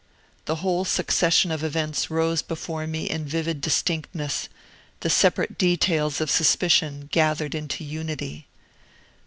The whole succession of events rose before me in vivid distinctness; the separate details of suspicion gathered into unity.